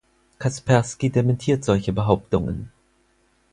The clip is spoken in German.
Kasperski dementiert solche Behauptungen.